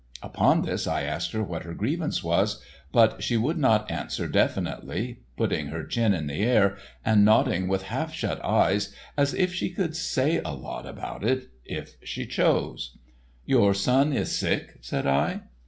Upon this I asked her what her grievance was, but she would not answer definitely, putting her chin the air and nodding with half shut eyes, as if she could say a lot about that if she chose. "Your son is sick?" said I.